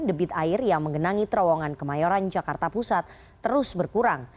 debit air yang mengenangi terowongan kemayoran jakarta pusat terus berkurang